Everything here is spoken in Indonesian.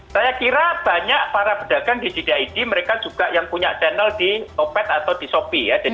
saya kira banyak para pedagang di gdid mereka juga yang punya channel di opet atau di shopee ya